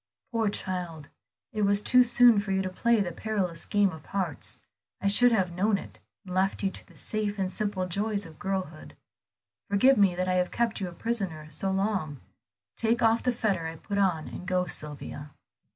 "Poor child, it was too soon for you to play the perilous game of hearts. I should have known it, and left you to the safe and simple joys of girlhood. Forgive me that I have kept you a prisoner so long; take off the fetter I put on, and go, Sylvia."